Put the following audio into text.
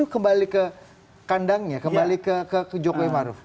kembali ke kandangnya kembali ke jokowi maruf